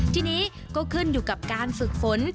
ทีนี้ก็ขึ้นอยู่กับการฝึกฝน